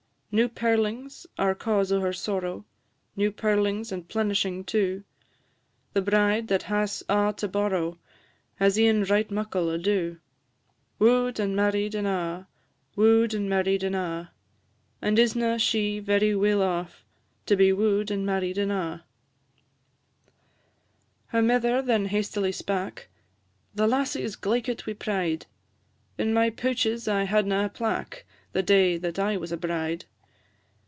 New pearlings are cause o' her sorrow New pearlings and plenishing too; The bride that has a' to borrow Has e'en right muckle ado. Woo'd, and married, and a'; Woo'd, and married, and a'; And is na she very weel aff, To be woo'd, and married, and a'? Her mither then hastily spak "The lassie is glaikit wi' pride; In my pouches I hadna a plack The day that I was a bride.